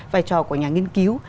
vai trò của nhà nghiên cứu